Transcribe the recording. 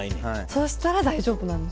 そうしたら大丈夫なんですね。